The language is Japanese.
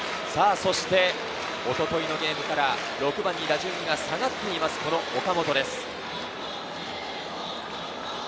そして一昨日のゲームから６番に打順が下がっている、岡本です。